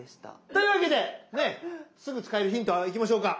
というわけでねすぐ使えるヒントいきましょうか。